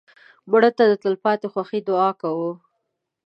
مړه ته د تلپاتې خوښۍ دعا کوو